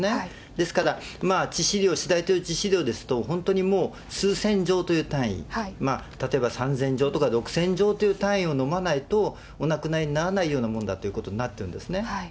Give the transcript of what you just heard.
ですから、致死量、という致死量ですと、本当にもう数千錠という単位、例えば３０００錠とか６０００錠という単位を飲まないと、お亡くなりにならないようなものだとなっているんですね。